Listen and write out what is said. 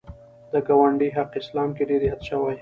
د ګاونډي حق اسلام کې ډېر یاد شوی